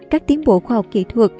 các tiến bộ khoa học kỹ thuật